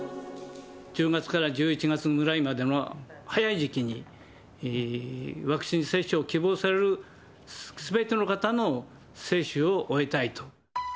１０月から１１月ぐらいまでの早い時期に、ワクチン接種を希望されるすべての方の接種を終えたいと。